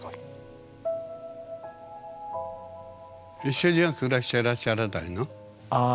一緒には暮らしてらっしゃらないの？